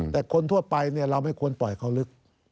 แต่คนทั่วไปเราไม่ควรปล่อยเขาลึก